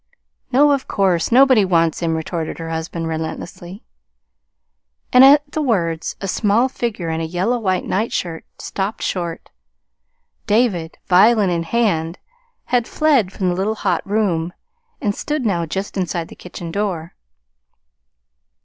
"No, of course, nobody wants him," retorted her husband relentlessly. And at the words a small figure in a yellow white nightshirt stopped short. David, violin in hand, had fled from the little hot room, and stood now just inside the kitchen door.